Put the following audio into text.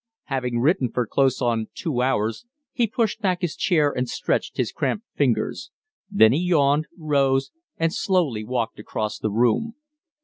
Having written for close on two hours, he pushed back his chair and stretched his cramped fingers; then he yawned, rose, and slowly walked across the room.